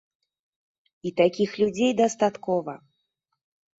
І такіх людзей дастаткова!